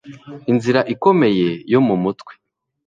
Inzira ikomeye yo mu mutwe